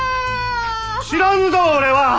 知らんぞ俺は。